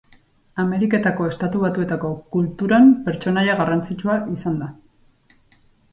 Ameriketako Estatu Batuetako kulturan pertsonaia garrantzitsua izan da.